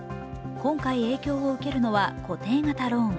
今回影響を受けるのは固定型ローン。